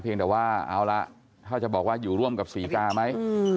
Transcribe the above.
แต่ว่าเอาละถ้าจะบอกว่าอยู่ร่วมกับศรีกาไหม